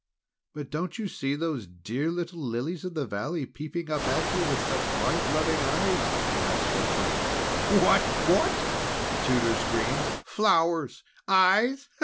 "But don't you see those dear little Lilies of the valley peeping up at you with such bright loving eyes?" asked Fanchon. "What! What!" the Tutor screamed. "Flowers! eyes?